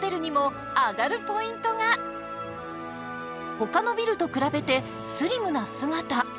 ほかのビルと比べてスリムな姿。